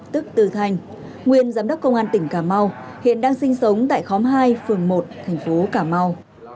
tức từ thanh nguyên giám đốc công an tỉnh cà mau hiện đang sinh sống tại khóm hai phường một thành phố cà mau